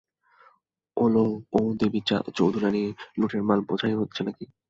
ওলো, ও দেবীচৌধুরানী, লুটের মাল বোঝাই হচ্ছে নাকি?